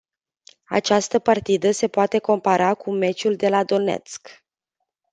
Această partidă se poate compara cu meciul de la Donețk.